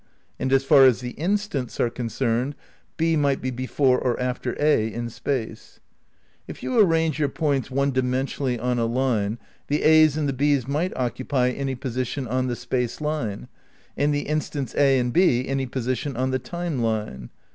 And as far as the instants are concerned h might be before or after a in space. If you arrange your points one dimensionally on a line A B a a" a" a^ b V h^ V the as and the &s might occupy any position on the space line, and the instants A and B any position on the time line.